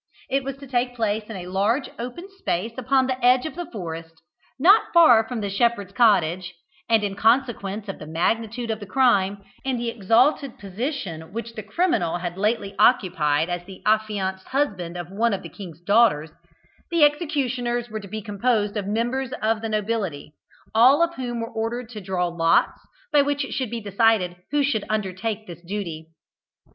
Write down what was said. It was to take place in a large open space upon the edge of the forest, not far from the shepherd's cottage; and, in consequence of the magnitude of the crime, and the exalted position which the criminal had lately occupied as the affianced husband of one of the king's daughters, the executioners were to be composed of members of the nobility, all of whom were ordered to draw lots by which it should be decided who should undertake this duty.